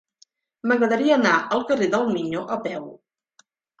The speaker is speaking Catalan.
M'agradaria anar al carrer del Miño a peu.